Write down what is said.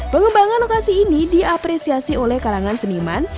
pengembangan lokasi ini diapresiasi oleh kalangan seniman